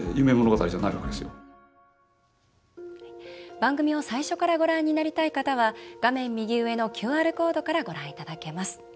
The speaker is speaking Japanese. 番組を最初からご覧になりたい方は画面右上のＱＲコードからご覧いただけます。